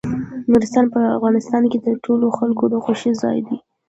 نورستان په افغانستان کې د ټولو خلکو د خوښې ځای دی.